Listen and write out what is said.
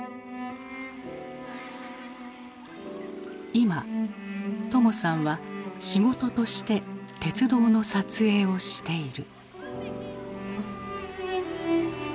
今友さんは仕事として鉄道の撮影をしている。